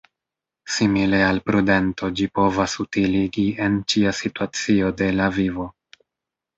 Simile al prudento ĝi povas utiligi en ĉia situacio de la vivo.